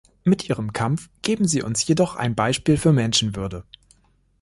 Mit ihrem Kampf geben sie uns jedoch ein Beispiel für Menschenwürde.